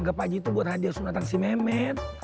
nggak pagi itu buat hadiah sunatan si mehmet